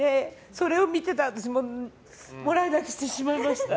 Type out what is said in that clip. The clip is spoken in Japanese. それを見てたら私ももらい泣きしてしまいました。